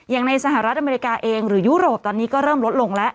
ในสหรัฐอเมริกาเองหรือยุโรปตอนนี้ก็เริ่มลดลงแล้ว